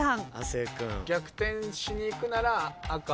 逆転しにいくなら赤。